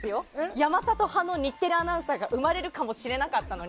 山里派の日テレアナウンサーが生まれるかもしれなかったのに。